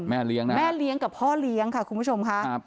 แม่เลี้ยงกับพ่อเลี้ยงค่ะคุณผู้ชม